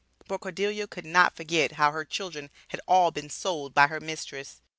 But Cordelia could not forget how her children had all been sold by her mistress!